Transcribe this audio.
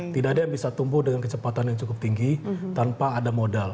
tidak ada yang bisa tumbuh dengan kecepatan yang cukup tinggi tanpa ada modal